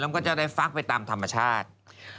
มันก็จะได้ฟักไปตามธรรมชาติ